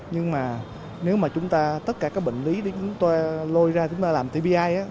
nhưng mà nếu mà chúng ta tất cả các bệnh lý để chúng ta lôi ra chúng ta làm tbi á